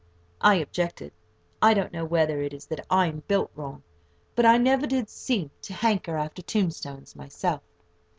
I objected. I don't know whether it is that I am built wrong, but I never did seem to hanker after tombstones myself.